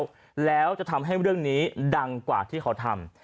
แล้วจะทำให้เรื่องนี้ดังกว่าที่เขาทำ